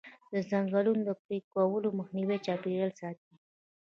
د ځنګلونو د پرې کولو مخنیوی چاپیریال ساتي.